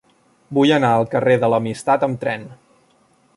Vull anar al carrer de l'Amistat amb tren.